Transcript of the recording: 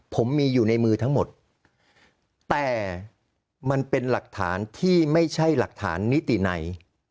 ผมมีอยู่ในมือทั้งหมดแต่มันเป็นหลักฐานที่ไม่ใช่หลักฐานนิติไหน